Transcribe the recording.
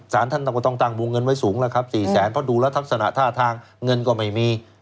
สารท่านต่างวงเงินไว้สูงละครับ๔แสนเพราะดูแล้วทัพสนาท่าทางเงินก็ไม่มี